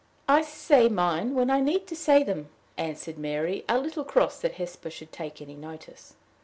"I say mine when I need to say them," answered Mary, a little cross that Hesper should take any notice.